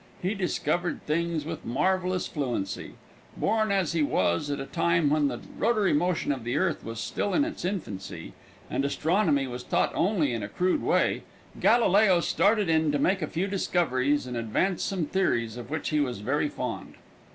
He discovered things with marvelous fluency. Born as he was, at a time when the rotary motion of the earth was still in its infancy and astronomy was taught only in a crude way, Galileo started in to make a few discoveries and advance some theories of which he was very fond.